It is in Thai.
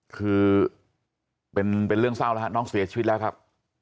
คือเป็นเรื่องเศร้าแล้วฮะน้องเสียชีวิตแล้วครับ